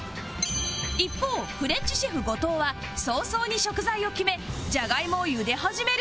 一方フレンチシェフ後藤は早々に食材を決めジャガイモを茹で始める